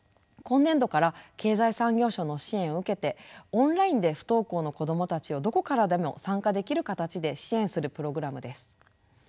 今年度から経済産業省の支援を受けてオンラインで不登校の子どもたちをどこからでも参加できる形で支援するプログラムです。